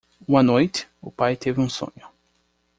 Uma noite? o pai teve um sonho.